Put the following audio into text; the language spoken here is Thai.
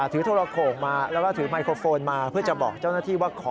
โทรโข่งมาแล้วก็ถือไมโครโฟนมาเพื่อจะบอกเจ้าหน้าที่ว่าขอ